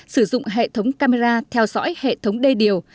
sử dụng hệ thống camera theo dõi hệ thống đê điều